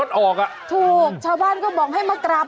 ขอบคุณครับขอบคุณครับ